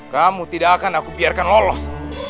kamu tidak akan aku biarkan lolos